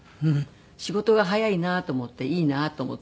仕事が早いなと思っていいなと思って。